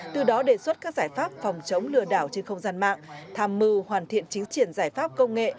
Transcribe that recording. từ đó đề xuất các giải pháp phòng chống lừa đảo trên không gian mạng tham mưu hoàn thiện chính triển giải pháp công nghệ